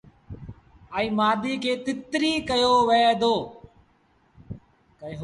ائيٚݩ مآڌيٚ کي تتريٚ ڪيو وهي دو۔